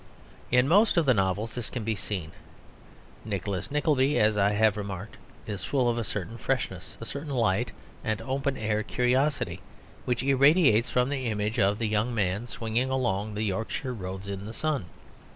In most of the novels this can be seen. Nicholas Nickleby, as I have remarked, is full of a certain freshness, a certain light and open air curiosity, which irradiates from the image of the young man swinging along the Yorkshire roads in the sun.